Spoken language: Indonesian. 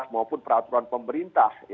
maupun peraturan pemerintah